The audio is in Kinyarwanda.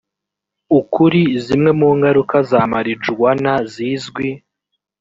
ukuri zimwe mu ngaruka za marijuwana zizwi